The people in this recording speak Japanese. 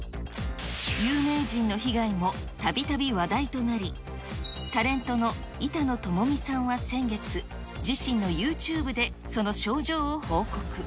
有名人の被害もたびたび話題となり、タレントの板野友美さんは先月、自身のユーチューブでその症状を報告。